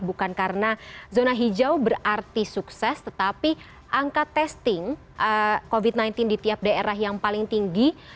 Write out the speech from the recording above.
bukan karena zona hijau berarti sukses tetapi angka testing covid sembilan belas di tiap daerah yang paling tinggi